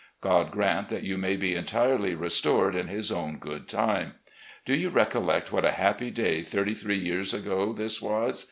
God grant that you may be entirely restored in His own good time. Do you recollect what a happy day thirty three years ago this was